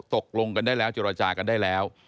ตกลงกันได้แล้วเจรจากันได้แล้ว